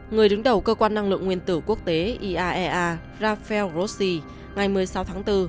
người đứng đầu cơ quan năng lượng nguyên tử quốc tế iaea rafael grossi ngày một mươi sáu tháng bốn